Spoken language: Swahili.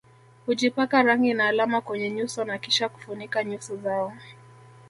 Hujipaka rangi na alama kwenye nyuso na kisha kufunika nyuso zao